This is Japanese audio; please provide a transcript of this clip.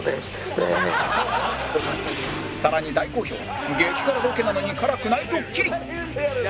さらに大好評激辛ロケなのに辛くないドッキリ